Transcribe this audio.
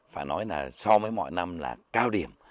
phải nói là so với mọi năm là cao điểm